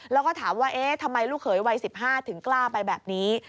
แล้วก็ถามว่าเอ๊ะทำไมลูกเขยวัย๑๕ถึงกล้าไปแบบนี้